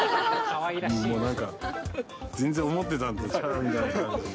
もうなんか、全然思ってたのと、違うみたいな感じで。